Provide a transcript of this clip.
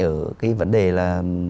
ở cái vấn đề là